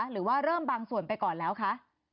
หรือว่าเริ่มบางส่วนไปก่อนแล้วคะ